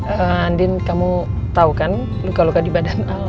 andin kamu tahu kan luka luka di badan